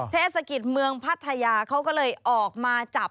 เทศกิจเมืองพัทยาเขาก็เลยออกมาจับ